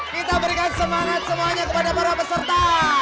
kita berikan semangat semuanya kepada para peserta